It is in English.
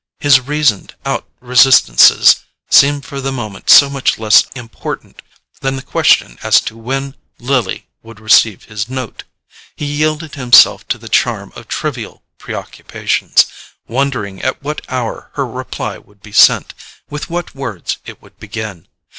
His reasoned out resistances seemed for the moment so much less important than the question as to when Lily would receive his note! He yielded himself to the charm of trivial preoccupations, wondering at what hour her reply would be sent, with what words it would begin.